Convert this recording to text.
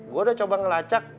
gue udah coba ngelacak